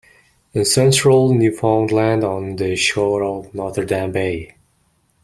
In Central Newfoundland, on the shore of Notre Dame Bay.